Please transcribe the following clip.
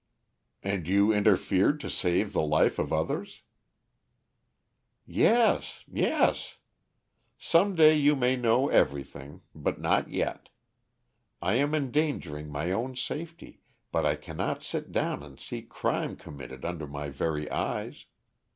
"And you interfered to save the life of others?" "Yes, yes. Some day you may know everything, but not yet. I am endangering my own safety, but I cannot sit down and see crime committed under my very eyes.